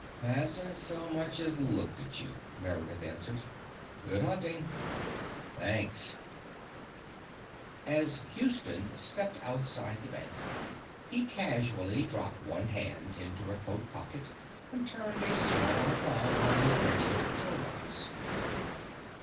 "Hasn't so much as looked at you," Meredith answered. "Good hunting." "Thanks." As Houston stepped outside the bank, he casually dropped one hand into a coat pocket and turned a small knob on his radio control box.